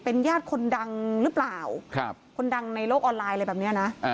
เป็นญาติคนดังหรือเปล่าครับคนดังในโลกออนไลน์เลยแบบเนี้ยนะอ่า